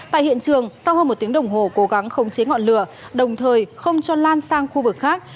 tại hiện trường sau hơn một tiếng đồng hồ cố gắng khống chế ngọn lửa đồng thời không cho lan sang khu vực khác